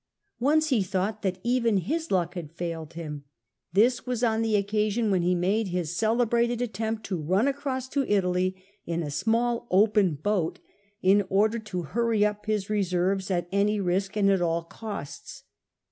Once he thought that even his luck had failed him ; this was on the occasion when he made his celebrated attempt to run across to Italy in a small open boat, in order to hurry up Ms reserves at any risk and at all costs.